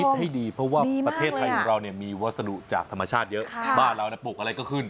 ให้ดีเพราะว่าประเทศไทยของเรามีวัสดุจากธรรมชาติเยอะบ้านเราปลูกอะไรก็ขึ้น